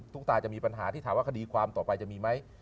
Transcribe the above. ตาจะมีปัญหาที่ถามว่าคดีความต่อไปจะมีไหม